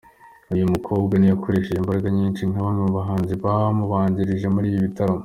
Uyu mukobwa ntiyakoresheje imbaraga nyinshi nka bamwe mu bahanzi bamubanjirije muri ibi bitaramo.